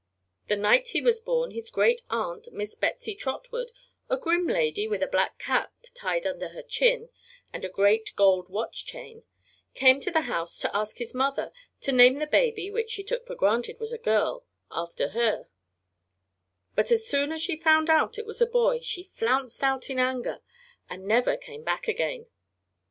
The night he was born his great aunt, Miss Betsy Trotwood a grim lady with a black cap tied under her chin and a great gold watch chain came to the house to ask his mother to name the baby, which she took for granted was a girl, after her; but as soon as she found it was a boy she flounced out in anger and never came back again.